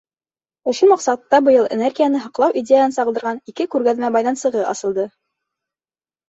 Ошо маҡсатта быйыл энергияны һаҡлау идеяһын сағылдырған ике күргәҙмә майҙансығы асылды.